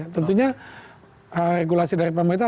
tentunya regulasi dari pemerintah